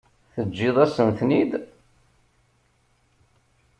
Teǧǧiḍ-asen-ten-id.